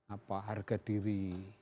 apa harga diri